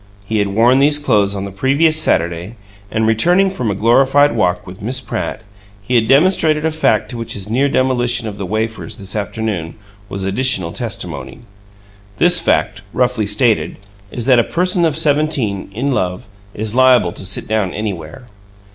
He had worn these clothes on the previous Saturday, and, returning from a glorified walk with Miss Pratt, he had demonstrated a fact to which his near demolition of the wafers, this afternoon, was additional testimony. This fact, roughly stated, is that a person of seventeen, in love, is liable to sit down anywhere.